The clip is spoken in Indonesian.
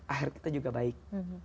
akhir kita juga baik